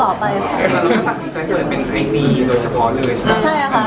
แล้วก็ตัดสินใจเผยเป็นไซน์ดีโดยชะกอเรือใช่ไหม